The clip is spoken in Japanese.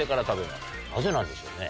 なぜなんでしょうね。